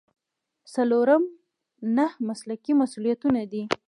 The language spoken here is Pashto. څلورم نهه مسلکي مسؤلیتونه دي.